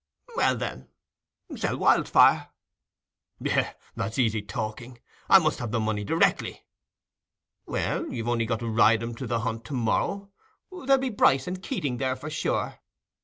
"Well, then, sell Wildfire." "Yes, that's easy talking. I must have the money directly." "Well, you've only got to ride him to the hunt to morrow. There'll be Bryce and Keating there, for sure.